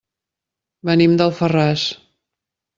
Venim d'Alfarràs.